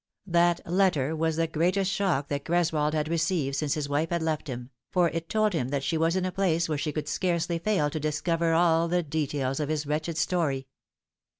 That letter was the greatest shock that Greswold had received since his wife had left him, for it told him that she was in a place where she could scarcely fail to discover all the details of his wretched story.